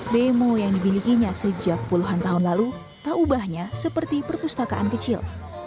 demo yang dibilikinya sejak puluhan tahun lalu tak ubahnya seperti perpustakaan kecil